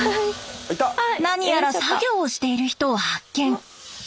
何やら作業している人を発見！